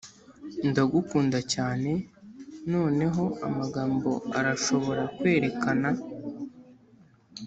ndagukunda cyane noneho amagambo arashobora kwerekana